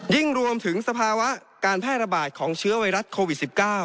รวมถึงสภาวะการแพร่ระบาดของเชื้อไวรัสโควิด๑๙